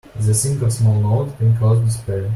A thing of small note can cause despair.